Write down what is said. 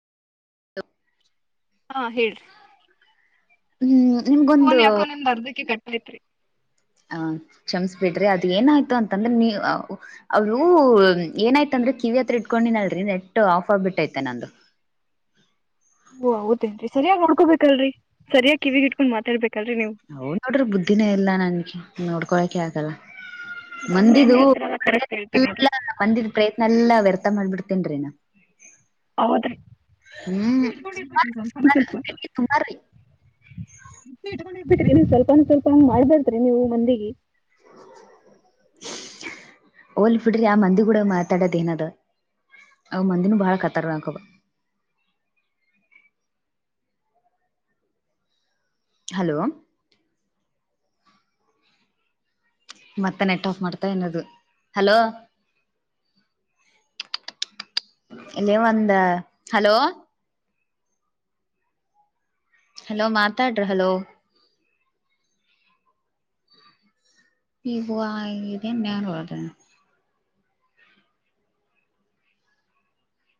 [inaudible] ಹಾ ಹೇಳ್ರಿ ಹ್ಮ್ ನಿಮ್ಗೊಂದು ಓನ್ ಯಾಕೋ ನಿಮ್ ಅರ್ಧಕ್ಕೆ ಕಟ್ಲೇತ್ರಿ ಹ ಕ್ಷಮಸ್ ಬಿಡ್ರಿ ಅದ ಏನಾಯ್ತು ಅಂತಂದ್ರೆ ನೀ ಅವ್ರು ಏನಾಯ್ತಂದ್ರೆ ಕಿವಿ ಹತ್ರ ಇಟ್ಕೊಂಡಿನಲ್ರರಿ ನೆಟ್ ಆಫ್ ಆಗ್ಬಿಟ್ಟೈತೆ ನಂದು ಓ ಹೌದೇನ್ರಿ ಸರಿಯಾಗಿ ನಡ್ಕೋಬೇಕಲ್ರರಿ ಸರಿಯಾಗಿ ಕಿವಿಗ ಇಟ್ಕೊಂಡ್ ಮಾತಾಡ್ಬೇಕು ಹ ನೋಡ್ರಿ ಬುದ್ಧಿನೇ ಇಲ್ಲಾ ನನ್ಗೆ ನೋಡ್ಕೊಳಕ್ಕೆೆ ಆಗಲ್ಲ ಇದೊಂದ್ ಏನ್ ಹೇಳ್ತೀರಲ್ಲ ಕರೆಕ್ಟ್ ಮಂದಿದುತ್ ಹೇಳ್ತೀರಿ ನೋಡ್ರಿ ಎಲ್ಲ ಬಂದಿದ್ ಪ್ರಯತ್ನ ಎಲ್ಲ ವರ್ತ ಅ ಮಾಡ್ಬಿಡ್ತೇನ್ರೀ ನ ಹೌದ್ರಿ. ಹ್ಮ್ ಸುಾರ ಸುಾರ ಸುಮಾರ ರೀ ನೀ ಸ್ವಲ್ಪ ಸ್ವಲ್ಪ ಹಂಗ ಮಾಡ್ಬಡ್ತ್ರಿ ನೀವು ಮಂದಿಗೆ ಓಲ್ ಬಿುಡ್ರಿ ಆ ಮಂದಿ ಕೂಡ ಮಾತಾಡೋದ ಏನಾದ ಅವ ಮಂದಿನ ಬಹಳ ಕತಾರ ಅಂಕುವ ಹಲೋ ಮತ್ತೆ ನೆಟ್ ಆಫ್ ಮಾಡ್ತಾ ಇನ್ನೋದು ಹಲೋ ಇಲ್ಲಿ ಒಂದ್ ಹಲೋ. ಹಲೋ ಮಾತಾಡ್ರ ಹಲೋ. [unintelligible]